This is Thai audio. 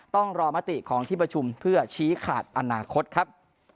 ต้องรอมติของที่ประชุมเพื่อชี้ขาดอนาคตครับ